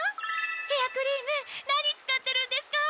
ヘアクリーム何使ってるんですか？